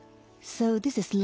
そうですね。